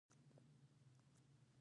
ودان کور به ورانوي دا ځینې مینې